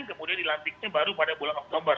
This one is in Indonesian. kemudian dilantiknya baru pada bulan oktober